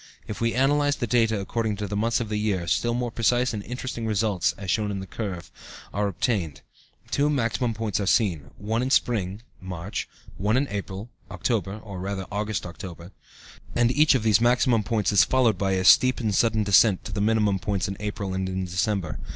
If we analyze the data according to the months of the year, still more precise and interesting results (as shown in the curve, Chart 3) are obtained; two maximum points are seen, one in spring (March), one in autumn (October, or, rather, August October), and each of these maximum points is followed by; a steep and sudden descent to the minimum points in April and in December.